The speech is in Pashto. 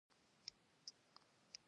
د بي بي خدېجې کور له مکې نه وړاندې دی.